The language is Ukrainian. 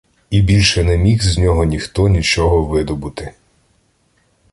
І більше не міг з нього ніхто нічого видобути.